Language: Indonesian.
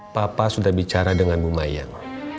papa sudah bicara dengan bu mayan